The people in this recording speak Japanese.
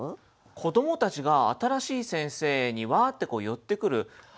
子どもたちが新しい先生にワーッて寄ってくる。